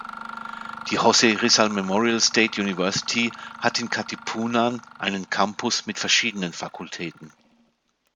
Die Jose Rizal Memorial State University hat in Katipunan einen Campus mit verschiedenen Fakultäten.